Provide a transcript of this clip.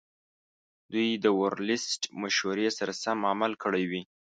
دوی د ورلسټ مشورې سره سم عمل کړی وي.